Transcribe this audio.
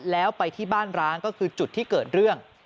แล้วไปที่บ้านร้างก็คือจุดที่เกิดเรื่อง